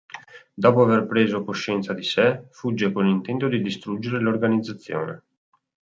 Dopo aver preso coscienza di sé, fugge con l'intento di distruggere l'organizzazione.